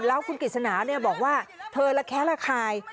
แล้วคุณกฤษณาเนี่ยบอกว่าเธอละแคะละคาย